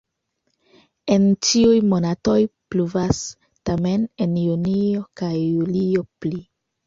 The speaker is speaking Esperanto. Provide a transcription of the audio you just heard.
En ĉiuj monatoj pluvas, tamen en junio kaj julio pli.